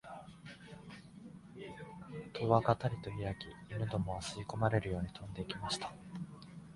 戸はがたりとひらき、犬どもは吸い込まれるように飛んで行きました